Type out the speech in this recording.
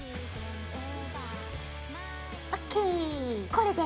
これで。